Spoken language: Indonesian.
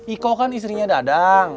iko kan istrinya dadang